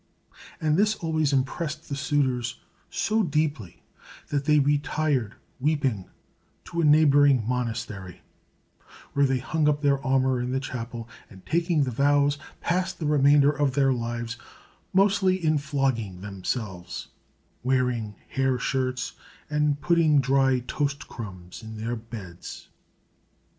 and this always impressed the suitors so deeply that they retired, weeping, to a neighboring monastery, where they hung up their armor in the chapel, and taking the vows, passed the remainder of their lives mostly in flogging themselves, wearing hair shirts, and putting dry toast crumbs in their beds.